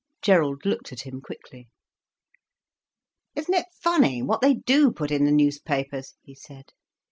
Gerald looked at him quickly. "Isn't it funny, what they do put in the newspapers," he said.